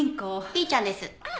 ピーちゃんです。